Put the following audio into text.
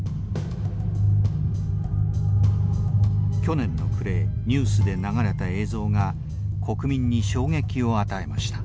去年の暮れニュースで流れた映像が国民に衝撃を与えました。